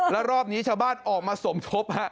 แล้วรอบนี้ชาวบ้านออกมาสมทบ